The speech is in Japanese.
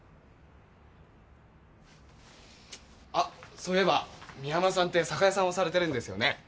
あッそういえば宮村さんって酒屋さんをされてるんですよね